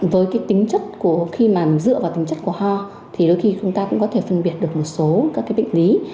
với cái tính chất khi mà dựa vào tính chất của ho thì đôi khi chúng ta cũng có thể phân biệt được một số các cái bệnh lý